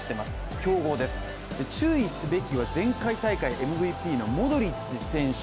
強豪です、注意すべきは前回大会ＭＶＰのモドリッチ選手。